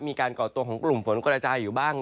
ก่อตัวของกลุ่มฝนกระจายอยู่บ้าง